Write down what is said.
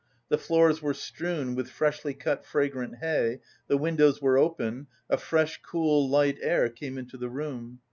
The floors were strewn with freshly cut fragrant hay, the windows were open, a fresh, cool, light air came into the room.